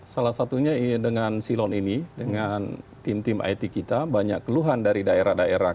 salah satunya dengan silon ini dengan tim tim it kita banyak keluhan dari daerah daerah